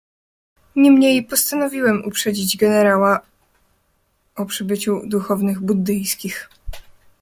"Niemniej postanowiłem uprzedzić generała o przybyciu duchownych buddyjskich."